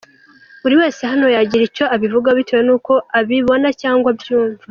Buri wese hano yagira icyo abivugaho bitewe n’uko abibona cyangwa abyumva.